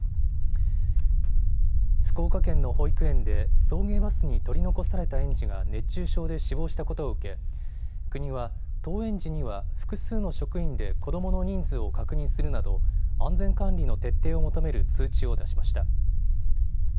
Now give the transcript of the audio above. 福岡県の保育園で送迎バスに取り残された園児が熱中症で死亡したことを受け、国は、登園時には複数の職員で子どもの人数を確認するなど、安全管理の徹底を求める通知を出しました。